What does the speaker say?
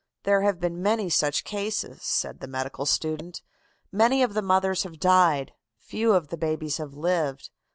"'There have been many such cases,' said the medical student. 'Many of the mothers have died few of the babies have lived.